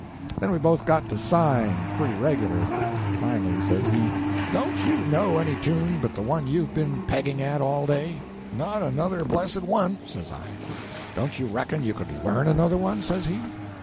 Then we both got to sighing pretty regular. Finally, says he— "Don't you know any tune but the one you've been pegging at all day?" "Not another blessed one," says I. "Don't you reckon you could learn another one?" says he.